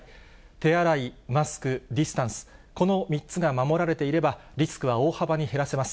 手洗い、マスク、ディスタンス、この３つが守られていれば、リスクは大幅に減らせます。